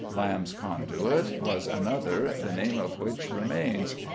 Lamb's Conduit was another, the name of which remains.